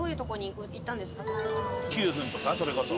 九とかそれこそ。